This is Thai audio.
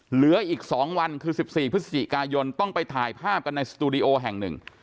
เหลืออีก๒วันคือ๑๔พฤศจิกายนต้องไปถ่ายภาพกันในสตูดิโอแห่งหนึ่ง